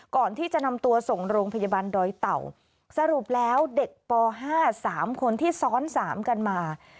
ก่อนที่จะนำตัวส่งโรงพยาบาลดอยเต่าสรุปแล้วเด็กป๕๓คนที่ซ้อนสามกันมา